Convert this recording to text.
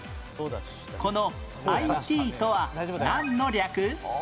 この ＩＴ とはなんの略？